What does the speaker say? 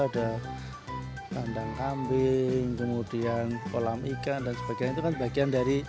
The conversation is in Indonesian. ada kandang kambing kemudian kolam ikan dan sebagainya